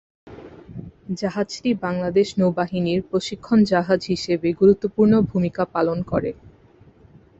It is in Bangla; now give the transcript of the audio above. জাহাজটি বাংলাদেশ নৌবাহিনীর প্রশিক্ষণ জাহাজ হিসেবে গুরুত্বপূর্ণ ভূমিকা পালন করে।